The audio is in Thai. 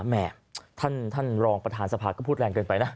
แม่ท่านรองประธานสภาก็พูดแรงเกินไปนะ